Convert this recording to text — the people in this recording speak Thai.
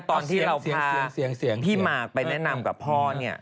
ตอนที่เราเสียงพี่หมากไปแนะนำกับพ่อเนี่ย